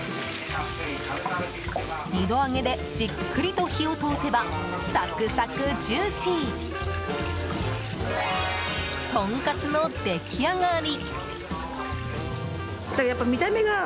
２度揚げでじっくりと火を通せばサクサクジューシーとんかつの出来上がり。